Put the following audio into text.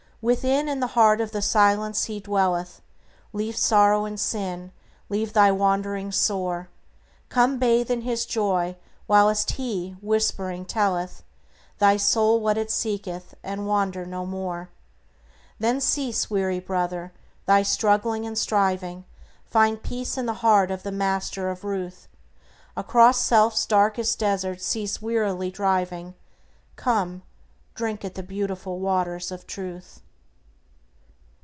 Within, in the heart of the Silence He dwelleth; Leave sorrow and sin, leave thy wanderings sore; Come bathe in His Joy, whilst He, whispering, telleth Thy soul what it seeketh, and wander no more. Then cease, weary brother, thy struggling and striving; Find peace in the heart of the Master of ruth. Across self's dark desert cease wearily driving; Come; drink at the beautiful waters of Truth.